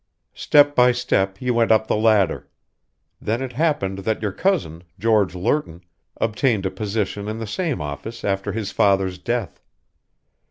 "Step by step, you went up the ladder. Then it happened that your cousin, George Lerton, obtained a position in the same office after his father's death.